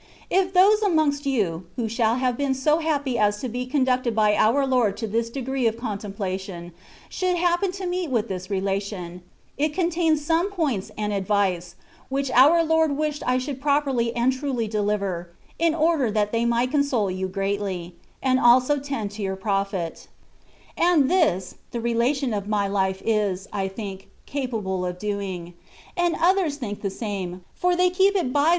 If those amongst you who shall have been so happy as to be conducted by our Lord to this degree of contemplation should happen to meet with this relation, it contains some points and advice, which our Lord wished I should properly and truly deliver, in order that they might console you greatly, and also tend to your profit ; and this, the relation of my Life is, I think, capable of doing ; and others think the same^ for they keep it by THE WAY OF PERFECTION.